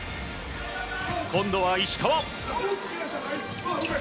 今度は石川。